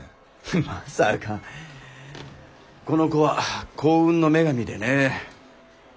この子は幸運の女神でね。